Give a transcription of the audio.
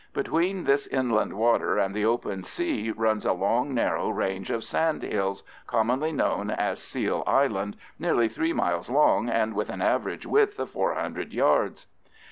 Between this inland water and the open sea runs a long narrow range of sand hills, commonly known as Seal Island, nearly three miles long and with an average width of four hundred yards.